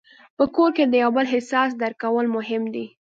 په کور کې د یو بل احساس درک کول مهم دي.